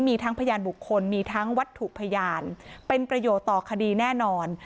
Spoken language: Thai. มีทั้งพยานบุคคลมีทั้งวัตถุพยานเป็นประโยชน์ต่อคดีแน่นอน